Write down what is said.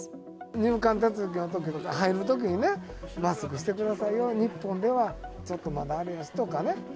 入管手続きのときとか、入るときにね、マスクしてくださいよ、日本では、ちょっとまだあれやしとかね。